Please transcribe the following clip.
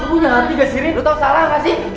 lo punya hati gak sih rim lo tau salah gak sih